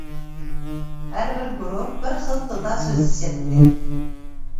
ھەر بىر گۇرۇھ بىر خىل تىلدا سۆزلىشەتتى.